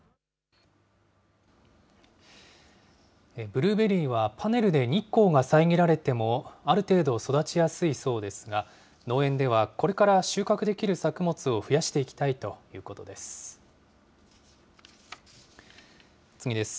ブルーベリーは、パネルで日光が遮られても、ある程度、育ちやすいそうですが、農園ではこれから収穫できる作物を増やしていきたいということです。